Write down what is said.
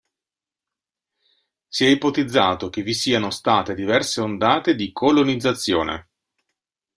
Si è ipotizzato che vi siano state diverse ondate di colonizzazione.